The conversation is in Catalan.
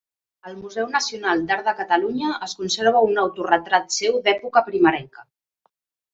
Al Museu Nacional d'Art de Catalunya es conserva un autoretrat seu d'època primerenca.